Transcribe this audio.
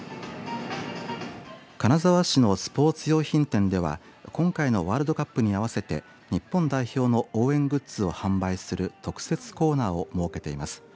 金沢市のスポーツ用品店では今回のワールドカップに合わせて日本代表の応援グッズを販売する特設コーナーを設けています。